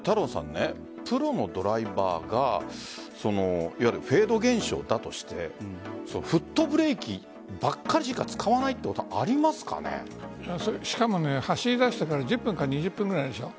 プロのドライバーがいわゆるフェード現象だとしてフットブレーキばかりしか使わないということはしかも走り出してから１０分か２０分ぐらいでしょう。